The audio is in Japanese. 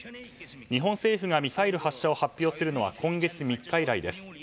日本政府がミサイル発射を発表するのは今月３日以来です。